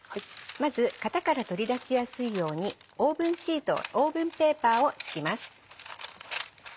まず型から取り出しやすいようにオーブンペーパーを敷きます。